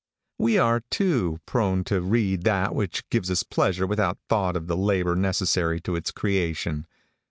We are too prone to read that which gives us pleasure without thought of the labor necessary to its creation.